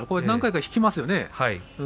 何回か引きますよね